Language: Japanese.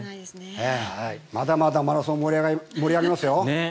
まだまだマラソン盛り上げますよ。